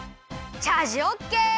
チャージオッケー！